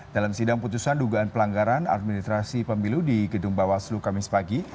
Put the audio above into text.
dalam sidang putusan dugaan pelanggaran administrasi pemilu di gedung bawaslu kamis pagi